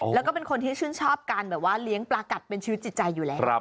แล้วก็เป็นคนที่ชื่นชอบการแบบว่าเลี้ยงปลากัดเป็นชีวิตจิตใจอยู่แล้ว